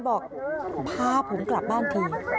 บอกพาผมกลับบ้านที